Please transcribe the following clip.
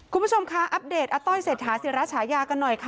คุณผู้ชมคะอัปเดตอาต้อยเศรษฐาศิราชายากันหน่อยค่ะ